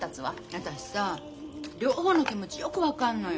私さ両方の気持ちよく分かんのよ。